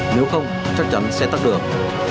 nếu không chắc chắn sẽ tắt đường